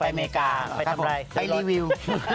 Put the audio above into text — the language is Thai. ไปทำอะไรใส่รถครับผมไปรีวิว